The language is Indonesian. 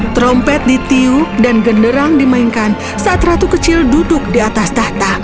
trompet ditiu dan genderang dimainkan saat ratu kecil duduk di atas tahta